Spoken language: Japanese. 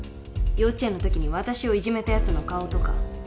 幼稚園のときに私をいじめたやつの顔とか。